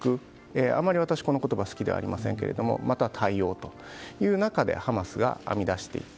あまり私、この言葉は好きではありませんが対応ということでハマスが編み出していった。